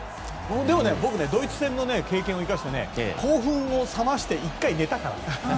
でも僕、ドイツ戦の経験を生かして興奮を冷まして、１回寝たから。